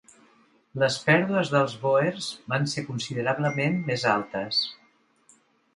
Les pèrdues dels bòers van ser considerablement més altes.